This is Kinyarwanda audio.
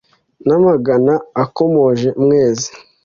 n' amagana akomoje mwezi